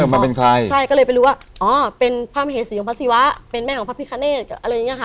มาเป็นใครใช่ก็เลยไปรู้ว่าอ๋อเป็นพระมเหสีของพระศิวะเป็นแม่ของพระพิคเนตอะไรอย่างเงี้ค่ะ